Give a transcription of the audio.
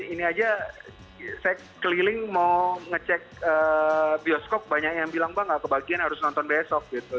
ini aja saya keliling mau ngecek bioskop banyak yang bilang bang gak kebagian harus nonton besok gitu